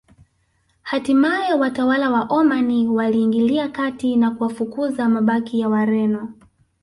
Hatimae watawala wa Omani waliingilia kati na kuwafukuza mabaki ya Wareno